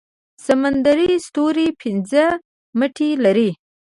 سمندري ستوری پنځه مټې لري